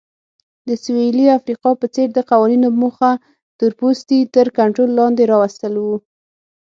د سویلي افریقا په څېر د قوانینو موخه تورپوستي تر کنټرول لاندې راوستل وو.